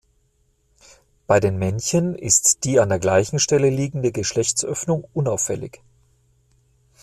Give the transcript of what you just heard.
Bei den Männchen ist die an der gleichen Stelle liegende Geschlechtsöffnung unauffällig.